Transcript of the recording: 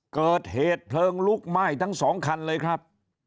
เกิดเหตุเพลิงลุกไหม้ทั้งสองคันเลยครับ